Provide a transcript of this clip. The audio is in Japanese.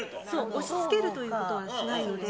押しつけるということはしないので。